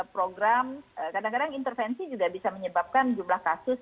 program kadang kadang intervensi juga bisa menyebabkan jumlah kasus